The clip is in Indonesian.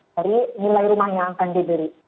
dari nilai rumah yang akan dibeli